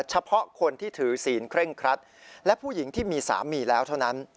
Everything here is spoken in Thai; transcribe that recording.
เฉพาะคนที่ถือศีลเคร่งครัดและผู้หญิงที่มีสามีแล้วเท่านั้น